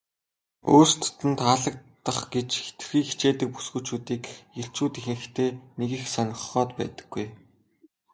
өөрсдөд нь таалагдах гэж хэтэрхий хичээдэг бүсгүйчүүдийг эрчүүд ихэнхдээ нэг их сонирхоод байдаггүй.